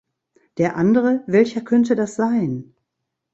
Der andere, welcher könnte das sein?